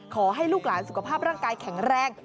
ขอให้ลูกหลานสุขภาพร่างกายแข็งแรง